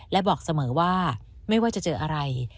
และบอกเสมอว่าไม่ว่าจะเจออะไร